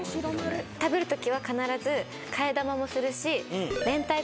食べるときは必ず替え玉もするし。